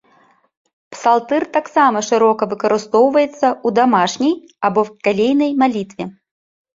Псалтыр таксама шырока выкарыстоўваецца ў дамашняй або кялейнай малітве.